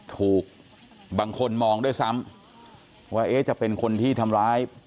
ถูกบางคนมองด้วยซ้ำว่าจะเป็นคนที่ทำร้าย